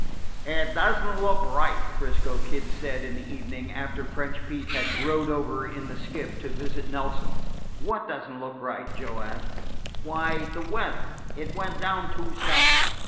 "It does n't look right," 'Frisco Kid said in the evening, after French Pete had rowed over in the skiff to visit Nelson. "What does n't look right?" Joe asked. "Why, the weather. It went down too sudden.